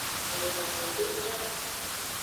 Egban hodeka.